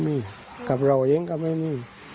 มีปัญหากับเพื่อนอะไรนะ